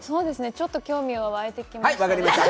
ちょっと興味はわいてきました。